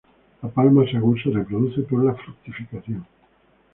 La palma sagú se reproduce por la fructificación.